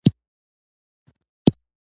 د شېرمحمد سترګې رډې راوختې.